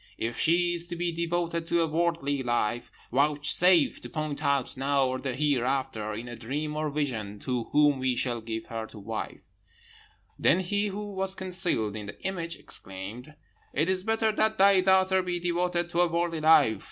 If she is to be devoted to a worldly life, vouchsafe to point out now or hereafter, in a dream or vision, to whom we shall give her to wife.' "Then he who was concealed in the image exclaimed, 'It is better that thy daughter be devoted to a worldly life.